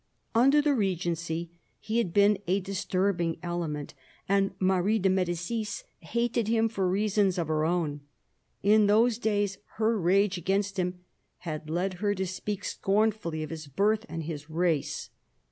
Under the regency he had been a disturbing element, and Marie de M6dicis hated him for reasons of her own. In those days her rage against him had led her to speak scornfully of his birth and his race.